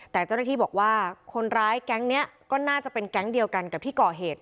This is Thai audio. แต่เจ้าหน้าที่บอกว่าคนร้ายแก๊งนี้ก็น่าจะเป็นแก๊งเดียวกันกับที่ก่อเหตุ